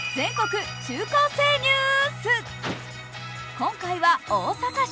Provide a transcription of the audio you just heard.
今回は大阪市。